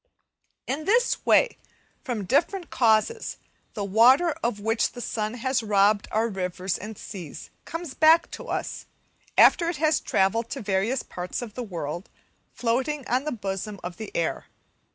In this way, from different causes, the water of which the sun has robbed our rivers and seas, comes back to us, after it has travelled to various parts of the world, floating on the bosom of the air.